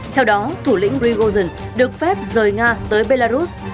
theo đó thủ lĩnh prigozhin được phép rời nga tới belarus